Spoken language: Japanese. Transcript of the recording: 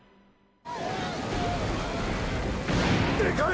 でかい！